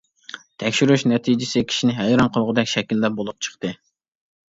تەكشۈرۈش نەتىجىسى كىشىنى ھەيران قىلغۇدەك شەكىلدە بولۇپ چىقتى.